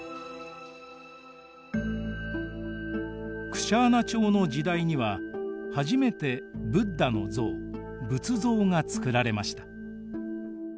クシャーナ朝の時代には初めてブッダの像仏像が作られました。